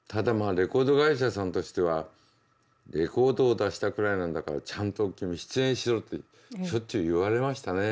レコード会社さんとしてはレコードを出したくらいなんだからちゃんと君出演しろってしょっちゅう言われましたね。